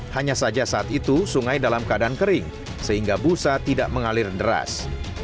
hanya saja saat itu sungai dalam keadaan kering sehingga busa tidak mengalir deras